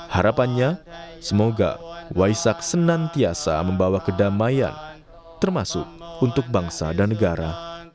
harapannya semoga waisak senantiasa membawa kedamaian termasuk untuk bangsa dan negara